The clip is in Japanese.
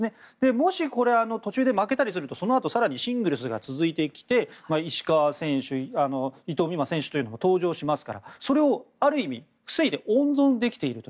もし、これ途中で負けたりするとそのあと更にシングルスが続いてきて石川選手伊藤美誠選手というのが登場しますからそれをある意味防いで温存できていると。